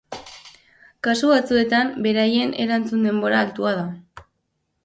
Kasu batzuetan, beraien erantzun denbora altua da.